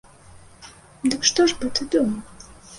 Дык што ж бы ты думаў?